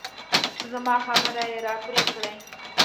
زما خبرې يې راپرې کړې.